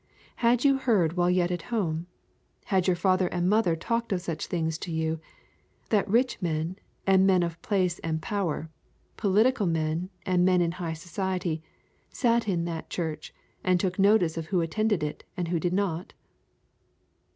Had you heard while yet at home, had your father and mother talked of such things to you, that rich men, and men of place and power, political men and men high in society, sat in that church and took notice of who attended it and who did not?